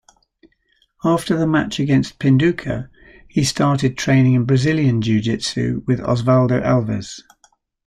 After the match against Pinduka, he started training in brazilian jiu-jitsu with Osvaldo Alves.